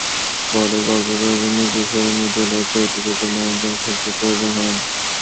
পরে গল্পের প্রয়োজনে কিশোরী মিথিলার চরিত্রটির জন্য একজন শিল্পীর প্রয়োজন হয়।